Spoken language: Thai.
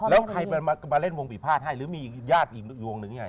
แล้วใครมาเล่นวงผิดพลาดให้หรือมีญาติอีกวงหนึ่งยังไง